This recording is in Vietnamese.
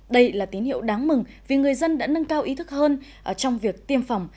đây là tín hiệu đáng mừng vì người dân đã nâng cao ý thức hơn trong việc tiêm phòng